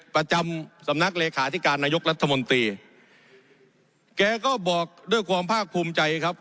ประจำสำนักเลขาธิการนายกรัฐมนตรีแกก็บอกด้วยความภาคภูมิใจครับ